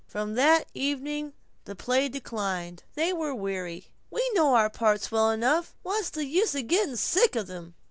From that evening the play declined. They were weary. "We know our parts well enough now; what's the use of getting sick of them?"